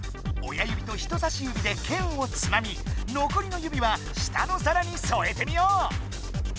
親指と人さし指でけんをつまみのこりの指は下の皿にそえてみよう。